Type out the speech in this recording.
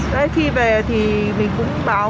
thế khi về thì mình cũng báo cáo với bên tổ trưởng